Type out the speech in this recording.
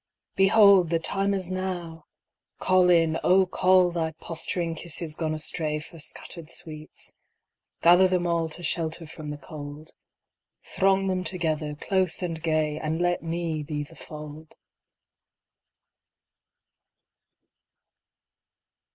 Behold, The time is now! Call in, O call Thy posturing kisses gone astray For scattered sweets. Gather them all To shelter from the cold. Throng them together, close and gay, And let me be the fold!